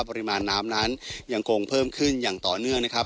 ปริมาณน้ำนั้นยังคงเพิ่มขึ้นอย่างต่อเนื่องนะครับ